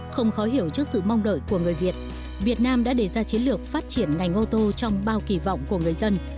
không khó hiểu trước sự mong đợi của người việt việt nam đã đề ra chiến lược phát triển ngành ô tô trong bao kỳ vọng của người dân